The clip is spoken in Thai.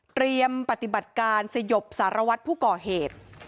ปฏิบัติการสยบสารวัตรผู้ก่อเหตุ